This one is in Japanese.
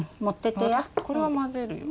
これは混ぜるよ。